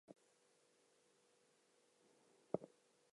It was his first English interview in several years.